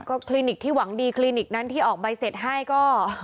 ก็คลินิกที่หวังดีคลินิกนั้นที่ออกใบเสร็จให้ก็